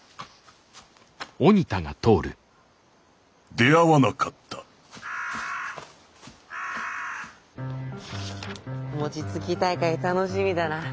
出会わなかったもちつき大会楽しみだな。